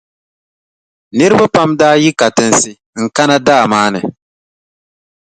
Niriba pam daa yi katinsi n-kana daa maa ni,